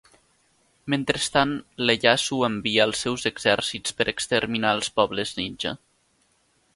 Mentrestant, Ieyasu envia els seus exèrcits per exterminar els pobles ninja.